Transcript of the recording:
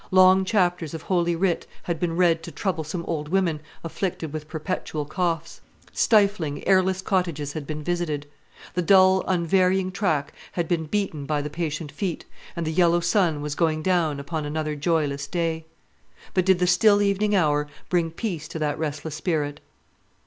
Long chapters of Holy Writ had been read to troublesome old women afflicted with perpetual coughs; stifling, airless cottages had been visited; the dull, unvarying track had been beaten by the patient feet, and the yellow sun was going down upon another joyless day. But did the still evening hour bring peace to that restless spirit?